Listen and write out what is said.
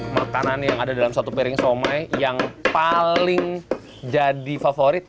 makanan yang ada dalam satu piring somai yang paling jadi favorit